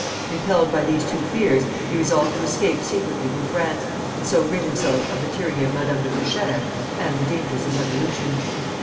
Impelled by these two fears, he resolved to escape secretly from France, and so rid himself of the tyranny of Madame de Feuchères and the dangers of Revolution.